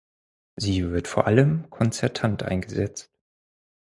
Sie wird vor allem konzertant eingesetzt.